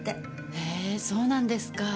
へえそうなんですか。